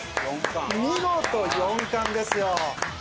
見事４冠ですよ。